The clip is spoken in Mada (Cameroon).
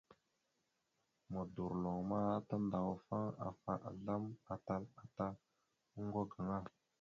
Modorloŋ ma tandawafaŋ afa azlam atal ata oŋgo gaŋa.